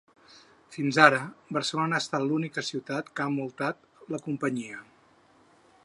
Fins ara, Barcelona ha estat l’única ciutat que ha multat la companyia.